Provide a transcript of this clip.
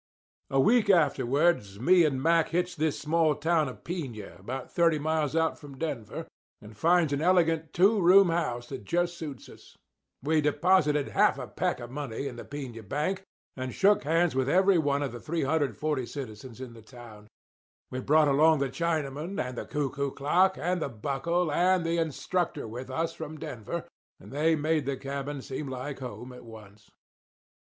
A week afterwards me and Mack hits this small town of Piña, about thirty miles out from Denver, and finds an elegant two room house that just suits us. We deposited half a peck of money in the Piña bank and shook hands with every one of the 340 citizens in the town. We brought along the Chinaman and the cuckoo clock and Buckle and the Instructor with us from Denver; and they made the cabin seem like home at once.